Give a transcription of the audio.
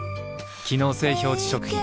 機能性表示食品